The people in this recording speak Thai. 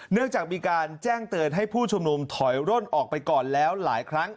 เนื่องจากมีการแจ้งเตือนให้ผู้ชุมนุมถอยร่นออกไปก่อนแล้วหลายครั้ง